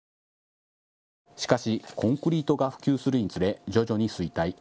しかし、コンクリートが普及するにつれ徐々に衰退。